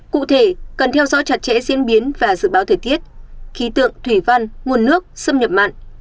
cụ thể cần theo dõi chặt chẽ diễn biến và dự báo thời tiết khí tượng thủy văn nguồn nước xâm nhập mặn